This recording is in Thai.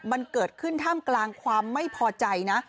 มันเกิดขึ้นท่ามกลางความไม่พอใจนะ